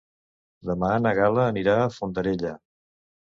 Demà na Gal·la anirà a Fondarella.